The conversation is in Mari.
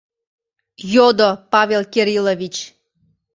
— йодо Павел Кириллович.